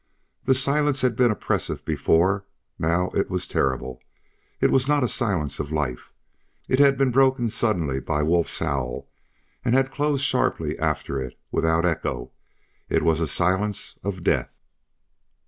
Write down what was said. The silence had been oppressive before; now it was terrible. It was not a silence of life. It had been broken suddenly by Wolf's howl, and had closed sharply after it, without echo; it was a silence of death.